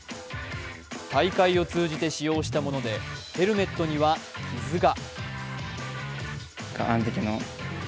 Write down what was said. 大会を通じて使用したものでヘルメットには傷が。